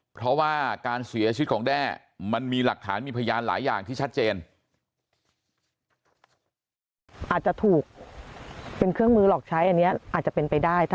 เพราะว่าการเสียชีวิตของแด้มันมีหลักฐานมีพยานหลายอย่างที่ชัดเจน